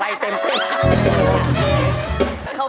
ไปเต้นแบบนี้